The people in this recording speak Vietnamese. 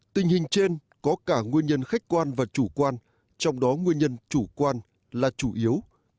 tình hình trên có cả nguyên nhân khách quan và chủ quan trong đó nguyên nhân chủ quan là chủ yếu